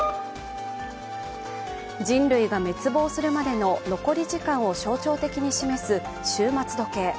人類が滅亡するまでの残り時間を象徴的に示す終末時計。